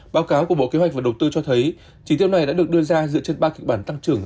báo cáo của bộ kế hoạch và đầu tư cho thấy chỉ tiêu này đã được đưa ra dựa trên ba kịch bản tăng trưởng